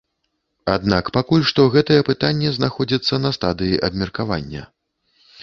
Аднак пакуль што гэтае пытанне знаходзіцца на стадыі абмеркавання.